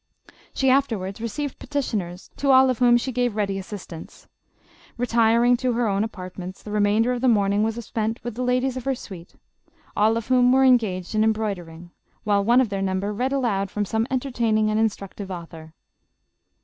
She afterwards received petitioners, to all of whom she gave ready assistance. Retiring to her own apartments, the remainder of the morning was spent with the ladies of her suite, all of whom were engaged in embroidering, while one of their number read aloud from some entertaining and instructive author.